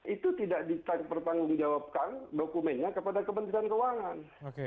itu tidak dipertanggungjawabkan dokumennya kepada kementerian keuangan